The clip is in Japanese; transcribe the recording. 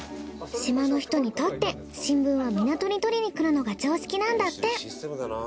島の人にとって新聞は港に取りに来るのが常識なんだって。